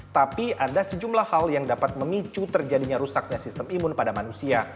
tapi ada sejumlah hal yang dapat memicu terjadinya rusaknya sistem imun pada manusia